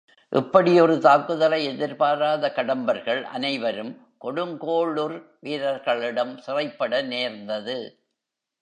இப்படி ஒரு தாக்குதலை எதிர்பாராத கடம்பர்கள் அனைவரும் கொடுங்கோளுர் வீரர்களிடம் சிறைப்பட நேர்ந்தது.